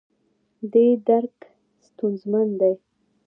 دې درک ستونزمن دی.